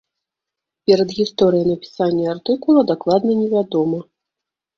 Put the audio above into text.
Перадгісторыя напісання артыкула дакладна невядома.